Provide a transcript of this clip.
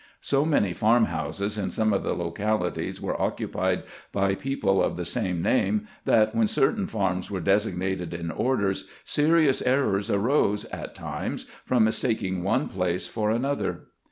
So many farm houses in some of the localities were occupied by people of the same name that, when certain farms were designated in orders, serious errors arose at times from mistaking one place for another.